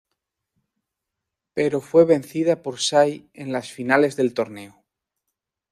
Pero fue vencida por Sai en las finales del Torneo.